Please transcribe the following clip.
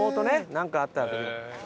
なんかあった時に。